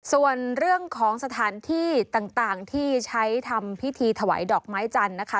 ส่วนเรื่องของสถานที่ต่างที่ใช้ทำพิธีถวายดอกไม้จันทร์นะคะ